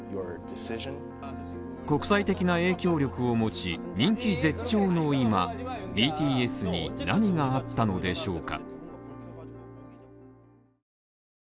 国際的な影響力を持ち、人気絶頂の今ＢＴＳに何があったのでしょうか？